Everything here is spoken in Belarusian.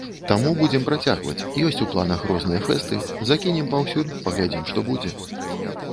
Таму будзем працягваць, ёсць у планах розныя фэсты, закінем паўсюль, паглядзім, што будзе.